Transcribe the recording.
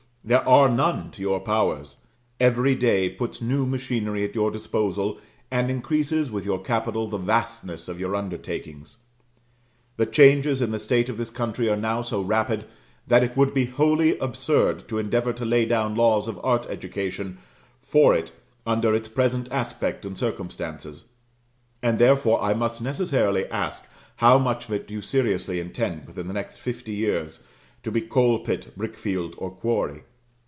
There are none to your powers; every day puts new machinery at your disposal, and increases, with your capital, the vastness of your undertakings. The changes in the state of this country are now so rapid, that it would be wholly absurd to endeavour to lay down laws of art education for it under its present aspect and circumstances; and therefore I must necessarily ask, how much of it do you seriously intend within the next fifty years to be coal pit, brickfield, or quarry?